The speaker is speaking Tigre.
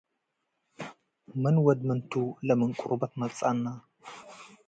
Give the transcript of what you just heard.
መን ወድ መን ቱ ለምን ቁርበት መጸአነ?